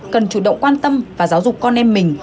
cần chủ động quan tâm và giáo dục con em mình